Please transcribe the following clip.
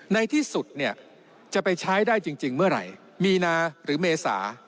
ในที่สุดเนี่ยจะไปใช้ได้จริงเมื่อไหร่มีนาหรือเมษา